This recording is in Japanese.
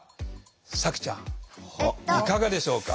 冴姫ちゃんいかがでしょうか？